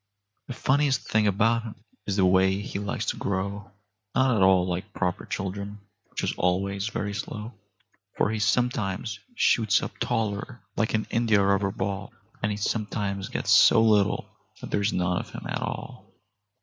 The funniest thing about him is the way he likes to grow— Not at all like proper children, which is always very slow; For he sometimes shoots up taller like an india rubber ball, And he sometimes gets so little that there's none of him at all.